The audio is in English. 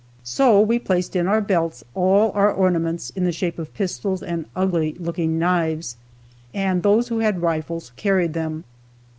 So we placed in our belts all our ornaments in the shape of pistols and ugly looking knives, and those who had rifles carried them.